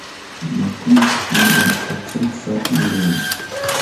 McCormack was born in Epsom, Surrey, England.